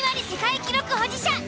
世界記録保持者